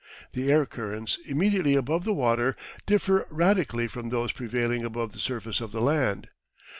The air currents immediately above the water differ radically from those prevailing above the surface of the land.